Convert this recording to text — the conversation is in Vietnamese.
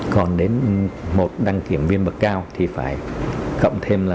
còn đến một đăng kiểm viên bậc cao thì phải cộng thêm là